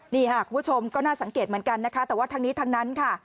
นี่ค่ะคุณผู้ชมก็น่าสังเกตเหมือนกันนะคะแต่ว่าทั้งนี้ทั้งนั้นค่ะ